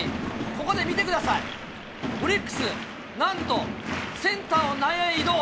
ここで見てください、オリックス、なんとセンターを内野へ移動。